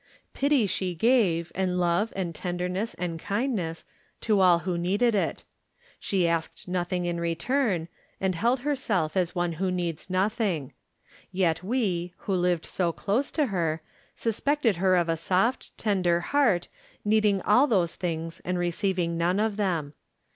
Pity she gave, and love and tenderness and kindness, to all who needed it. She asked nothing in return, and held herself as one who needs nothing; yet we, who lived so close to her, suspected her of a soft, tender heart, needing all those things and receiving none of them.